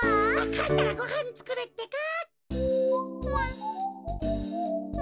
かえったらごはんつくるってか。